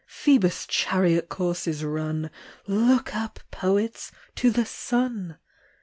Phoebus' chariot course is run ! Look up, poets, to the sun